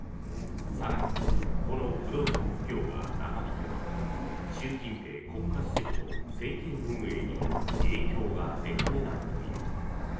更に、この不動産不況が長引けば習近平国家主席の政権運営にも影響が出かねないという。